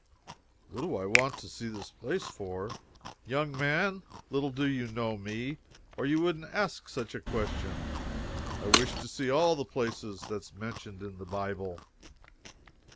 "What do I want to see this place for? Young man, little do you know me, or you wouldn't ask such a question. I wish to see all the places that's mentioned in the Bible."